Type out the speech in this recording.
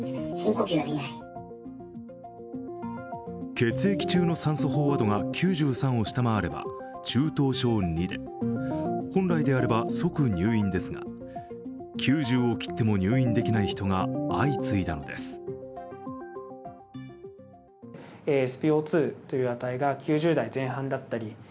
血液中の酸素飽和度が９３を下回れば中等症Ⅱで本来であれば即入院ですが９０を切っても入院できない人が相次いだのです。